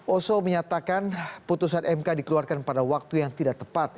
oso menyatakan putusan mk dikeluarkan pada waktu yang tidak tepat